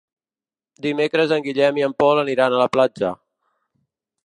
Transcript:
Dimecres en Guillem i en Pol aniran a la platja.